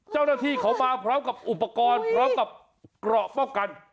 เจ้าหน้าที่เขามาพร้อมกับอุปกรณ์พร้อมกับเกราะป้องกัน